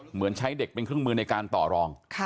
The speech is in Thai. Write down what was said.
เหมือนใช้เด็กเป็นเครื่องมือในการต่อรอง